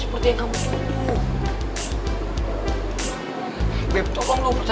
itu dengan kamu bebek